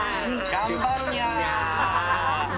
頑張るにゃ。